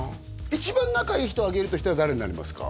一番仲いい人挙げるとしたら誰になりますか？